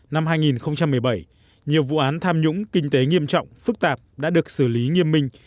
năm hai nghìn một mươi bảy nhiều vụ án tham nhũng kinh tế nghiêm trọng phức tạp đã được xử lý nghiêm minh